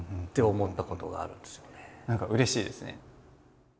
何かうれしいですね。